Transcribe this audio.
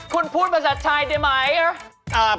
คุณพูดวัศจรรยาได้ไหม